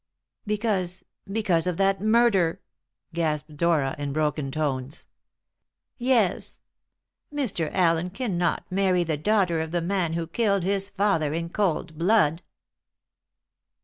"Because because of that murder!" gasped Dora in broken tones. "Yes. Mr. Allen cannot marry the daughter of the man who killed his father in cold blood."